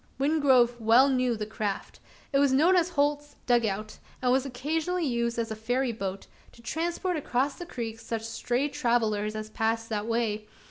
Wingrove well knew the craft. It was known as Holt's "dug out;" and was occasionally used as a ferry boat, to transport across the creek such stray travellers as passed that way.